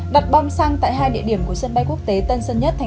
đặt bom xăng tại hai địa điểm của sân bay quốc tế tân sơn nhất tp hcm